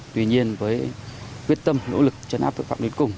tuy nhiên với quyết tâm nỗ lực chấn áp thực phẩm đến cùng